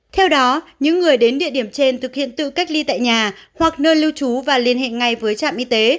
theo đó những người đến địa điểm trên thực hiện tự cách ly tại nhà hoặc nơi lưu trú và liên hệ ngay với trạm y tế